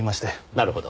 なるほど。